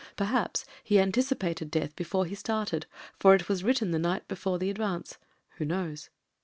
Perhaps he anticipated death before he started, for it was written the night before the advance — who knows